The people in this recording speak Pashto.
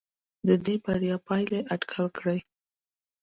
د دې بریا پایلې اټکل کړي.